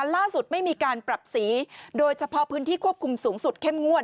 ล่าสุดไม่มีการปรับสีโดยเฉพาะพื้นที่ควบคุมสูงสุดเข้มงวด